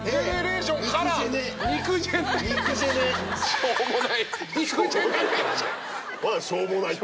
「しょうもない」って。